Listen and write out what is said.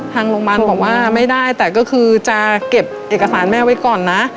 ทางโรงพยาบาลบอกว่าไม่ได้แต่ก็คือจะเก็บเอกสารแม่ไว้ก่อนนะ